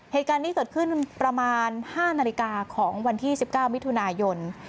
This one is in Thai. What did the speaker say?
เหตุการณ์นี้เกิดขึ้นประมาณ๕นาฬิกาของวันที่๑๙มิถุนายน